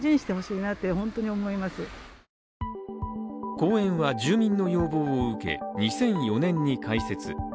公園は住民の要望を受け、２００４年に開設。